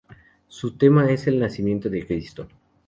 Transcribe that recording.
Su tema es el nacimiento de Cristo.